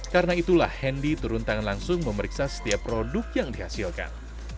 karena itulah handi turun tangan langsung memeriksa setiap produk yang dihasilkan